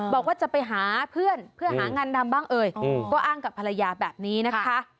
บอกว่าจะไปหาเพื่อนเพื่อหางานทำบ้างเอ่ยก็อ้างกับภรรยาแบบนี้นะคะ